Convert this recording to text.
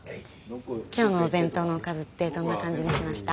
今日のお弁当のおかずってどんな感じにしました？